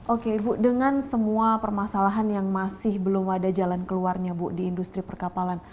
oke ibu dengan semua permasalahan yang masih belum ada jalan keluarnya bu di industri perkapalan